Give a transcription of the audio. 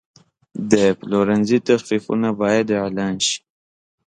د پلورنځي تخفیفونه باید اعلان شي.